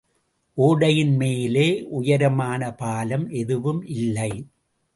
ஒடையின் மேலே உயரமான பாலம் எதுவும் இல்லை.